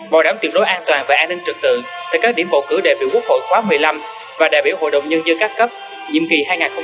bảo đảm tuyệt đối an toàn về an ninh trực tự tại các điểm bầu cử đại biểu quốc hội khóa một mươi năm và đại biểu hội đồng nhân dân các cấp nhiệm kỳ hai nghìn một mươi sáu hai nghìn hai mươi sáu